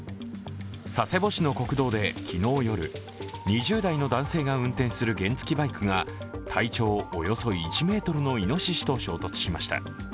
佐世保市の国道で昨日夜、２０代の男性が運転する原付バイクが体長およそ１ｍのいのししと衝突しました。